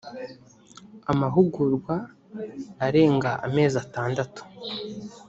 amahugurwa arenga amezi atandatu